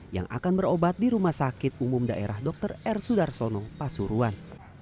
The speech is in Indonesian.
yang akan berobat di rumah sakit umum daerah dr r sudarsono pasuruan